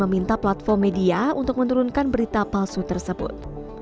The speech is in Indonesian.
meminta platform media untuk menurunkan berita palsu tersebut